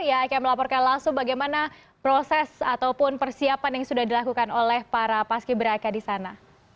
ya akan melaporkan langsung bagaimana proses ataupun persiapan yang sudah dilakukan oleh para paski beraka di sana